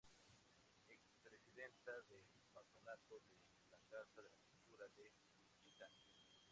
Es presidenta del Patronato de la Casa de la Cultura de Juchitán.